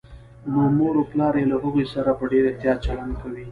نو مور و پلار يې له هغوی سره په ډېر احتياط چلند کوي